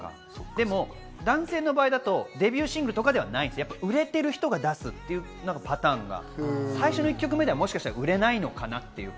でも男性の場合、デビューシングルとかではなくて、売れてる人が出すパターンが最初の１曲目では売れないのかなという。